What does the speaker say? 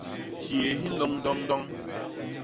Hyéé hi nloñ ndoñ ndoñ.